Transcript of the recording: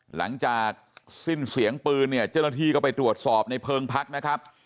หลังจากสิ้นเสียงปืนเนี่ยเจ้าหน้าที่ก็ไปตรวจสอบในเพลิงพักนะครับ